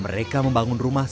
mereka membangun rumah ini